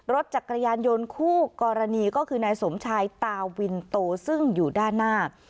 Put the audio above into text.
รถจักรยานยนต์คู่กรณีก็คือนายสมชายตาวินโตซึ่งอยู่ด้านหน้า